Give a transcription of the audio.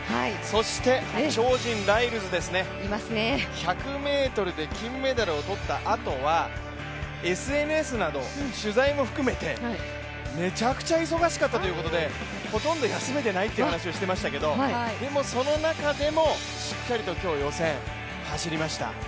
そして超人ライルズですね、１００ｍで金メダルを取ったあとはＳＮＳなど、取材も含めて、めちゃくちゃ忙しかったということで、ほとんど休めていないという話をしてましたけど、でもその中でしっかりと今日予選、走りました。